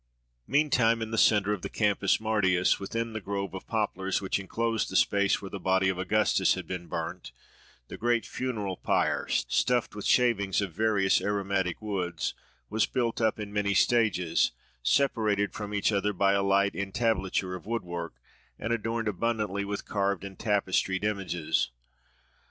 Meantime, in the centre of the Campus Martius, within the grove of poplars which enclosed the space where the body of Augustus had been burnt, the great funeral pyre, stuffed with shavings of various aromatic woods, was built up in many stages, separated from each other by a light entablature of woodwork, and adorned abundantly with carved and tapestried images.